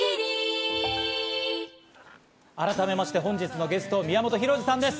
改めまして本日のゲスト、宮本浩次さんです。